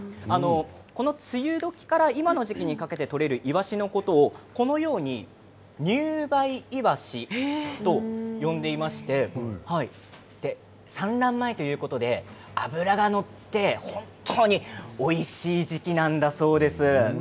この梅雨時から今の時期に取れるいわしのことをこのように入梅いわしと呼んでいまして産卵前ということで脂が乗って本当においしい時期なんだそうです。